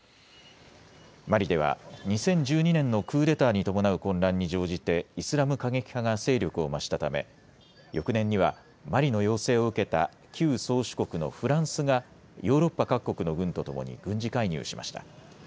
マリでは２０１２年のクーデターに伴う混乱に乗じてイスラム過激派が勢力を増したため翌年にはマリの要請を受けた旧宗主国のフランスがヨーロッパ各国の軍とともに軍事介入しました。